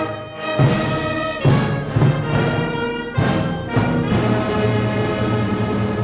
lagu kebangsaan indonesia raya